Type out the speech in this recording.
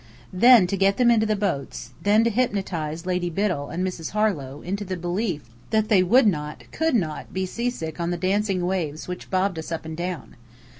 Then to get them into the boats; then to hypnotize Lady Biddell and Mrs. Harlow into the belief that they would not, could not, be seasick on the dancing waves which bobbed us up and down.